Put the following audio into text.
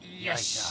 よし。